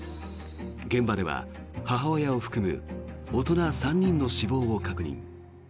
現場では母親を含む大人３人の死亡を確認。